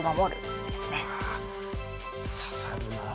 刺さるな。